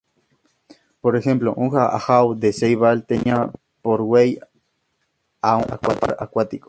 Por ejemplo, un Ajaw de Ceibal tenía por way a un "Jaguar Acuático".